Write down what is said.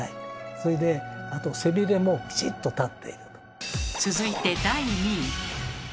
それであと背びれもきちっと立っていると。